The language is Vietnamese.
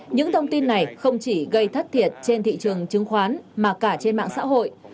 những thông tin này không chỉ gây thất thiệt trên thị trường chứng khoán mà cả trên mạng xã hội